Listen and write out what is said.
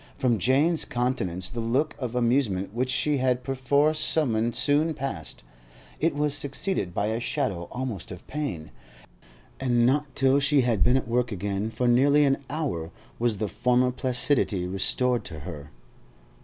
From Jane's countenance the look of amusement which she had perforce summoned soon passed; it was succeeded by a shadow almost of pain, and not till she had been at work again for nearly an hour was the former placidity restored to her.